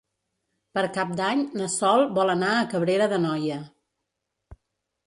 Per Cap d'Any na Sol vol anar a Cabrera d'Anoia.